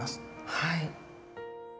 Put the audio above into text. はい。